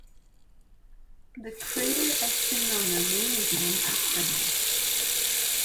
The crater Espin on the Moon is named after him.